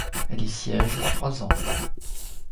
Elle y siège trois ans.